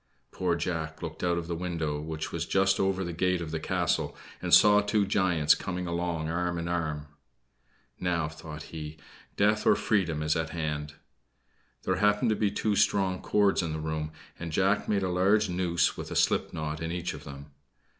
Poor Jack looked out of the window, which was just over the gate of the castle, and saw two giants coming along arm in arm. "Now," thought he, "death or freedom is at hand." There happened to be two strong cords in the room, and Jack made a large noose with a slip knot in each of them.